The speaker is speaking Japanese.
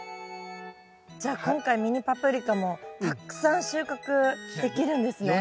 じゃあ今回ミニパプリカもたくさん収穫できるんですね。